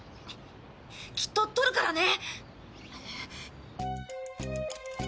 きっと取るからね。